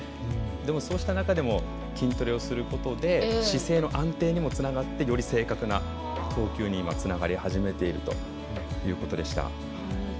でも、そうした中でも筋トレをすることで姿勢の安定にもつながってより正確な投球にもつながり始めているということでした。